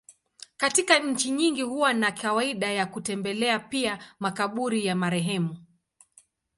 Katika nchi nyingi huwa na kawaida ya kutembelea pia makaburi ya marehemu.